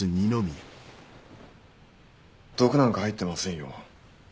毒なんか入ってませんよ。